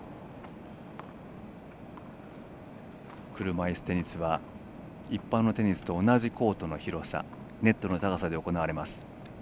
車いすテニスは、一般のテニスと同じコートの広さネットの高さで行われます。